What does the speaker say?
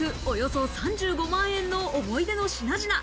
およそ３５万円の思い出の品々。